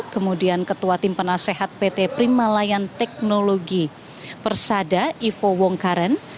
kemudian ketua tim penasehat pt primalayan teknologi persada ivo wongkaren